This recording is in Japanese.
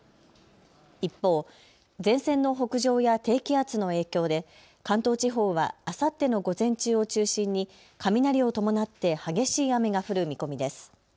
一方、前線の北上や低気圧の影響で関東地方はあさっての午前中を中心に雷を伴って激しい雨が降る見込みです。